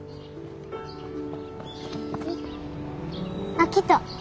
あっ来た。